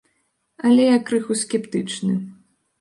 Але я крыху скептычны.